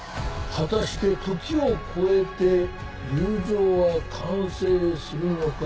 果たして時を超えて友情は完成するのか？